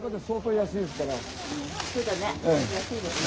安いですね。